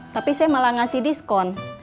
tapi saya malah ngasih diskon